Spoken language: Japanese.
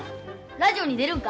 ラジオに出るんか？